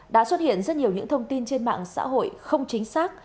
đã xuất hiện rất nhiều những thông tin trên mạng xã hội không chính xác